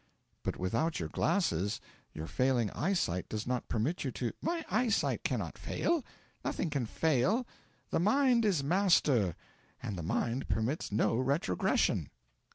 'But without your glasses your failing eyesight does not permit you to ' 'My eyesight cannot fail; nothing can fail; the Mind is master, and the Mind permits no retrogression.'